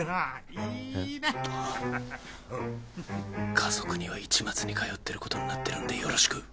家族には市松に通ってることになってるんでよろしく。